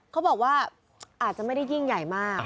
เขาบอกว่าอาจจะไม่ได้ยิ่งใหญ่มาก